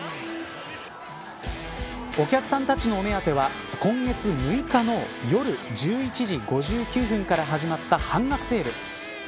お客さんたちのお目当ては今月６日の夜１１時５９分から始まった半額セール。